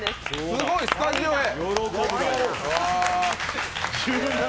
すごい、スタジオへ。